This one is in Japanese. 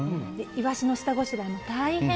イワシの下ごしらえも大変。